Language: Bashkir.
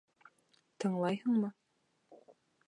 Тыңлайһыңмы?